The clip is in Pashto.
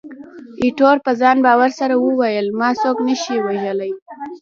ایټور په ځان باور سره وویل، ما څوک نه شي وژلای.